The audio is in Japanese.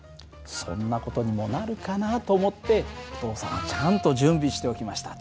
そんな事にもなるかなと思ってお父さんはちゃんと準備しておきました。